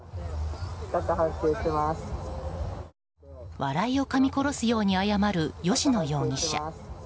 笑いをかみ殺すように謝る吉野容疑者。